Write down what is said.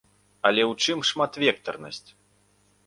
Але ў чым шматвектарнасць?